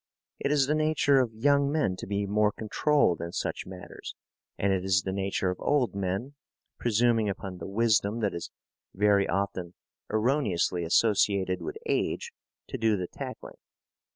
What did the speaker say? It is the nature of young men to be more controlled in such matters, and it is the nature of old men, presuming upon the wisdom that is very often erroneously associated with age, to do the tackling.